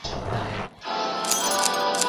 د نوي مسلک زده کړه د هیلې د زړه ارمان نه و.